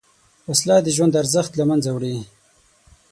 وسله د ژوند ارزښت له منځه وړي